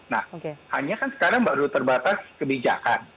nah hanya kan sekarang baru terbatas kebijakan